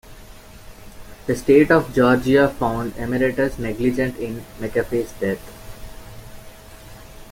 The State of Georgia found Emeritus negligent in McAfee's death.